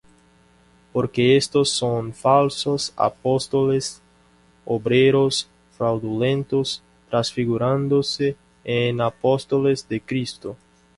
Porque éstos son falsos apóstoles, obreros fraudulentos, trasfigurándose en apóstoles de Cristo.